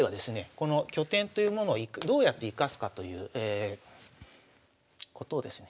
この拠点というものをどうやって生かすかということをですね